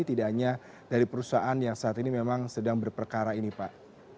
tidak hanya dari perusahaan yang saat ini memang sedang berperkara ini pak